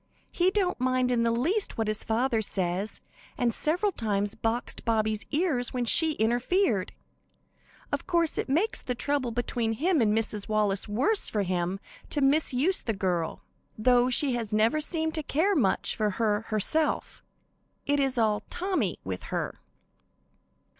He don't mind in the least what his father says, and several times boxed Bobby's ears when she interfered. Of course, it makes the trouble between him and Mrs. Wallace worse for him to misuse the girl, though she has never seemed to care much for her herself. It is all 'Tommy' with her.